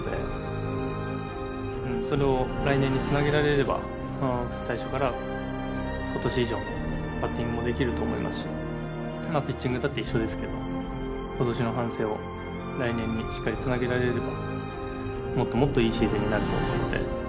それを来年につなげられれば最初から今年以上のバッティングもできると思いますしピッチングだって一緒ですけど今年の反省を来年にしっかりつなげられればもっともっといいシーズンになると思うので。